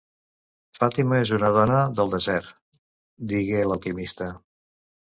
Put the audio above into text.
"Fatima és una dona del desert", digué l'alquimista.